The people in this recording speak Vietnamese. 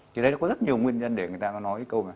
thì đấy nó có rất nhiều nguyên nhân để người ta có nói câu là